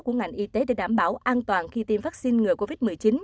của ngành y tế để đảm bảo an toàn khi tiêm vắc xin ngừa covid một mươi chín